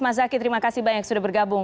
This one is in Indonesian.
mas zaky terima kasih banyak sudah bergabung